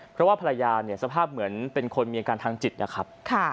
เพราะว่าภรรยาเนี่ยสภาพเหมือนเป็นคนมีอาการทางจิตนะครับ